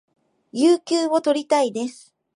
有給を取りたいです